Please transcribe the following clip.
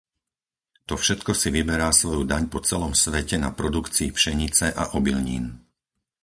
To všetko si vyberá svoju daň po celom svete na produkcii pšenice a obilnín.